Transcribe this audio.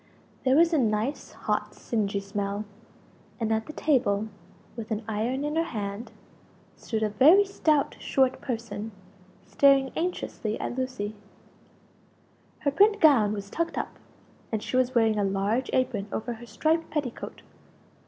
There was a nice hot singey smell; and at the table, with an iron in her hand stood a very stout short person staring anxiously at Lucie. Her print gown was tucked up, and she was wearing a large apron over her striped petticoat.